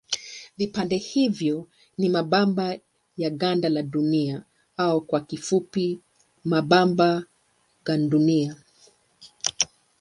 Vipande hivyo ni mabamba ya ganda la Dunia au kwa kifupi mabamba gandunia.